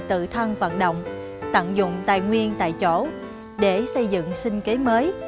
tự thân vận động tận dụng tài nguyên tại chỗ để xây dựng sinh kế mới